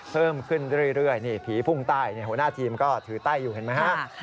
เพิ่มขึ้นเรื่อยนี่ผีพุ่งใต้หัวหน้าทีมก็ถือไต้อยู่เห็นไหมฮะ